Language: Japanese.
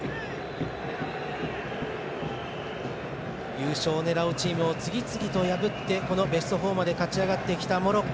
優勝を狙うチームを次々と破ってこのベスト４まで勝ち上がってきたモロッコ。